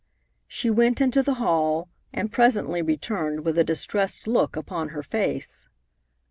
She went into the hall, and presently returned with a distressed look upon her face.